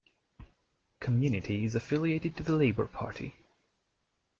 Community is affiliated to the Labour Party.